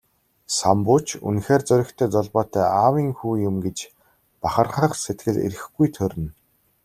Самбуу ч үнэхээр зоригтой, золбоотой аавын хүү юм гэж бахархах сэтгэл эрхгүй төрнө.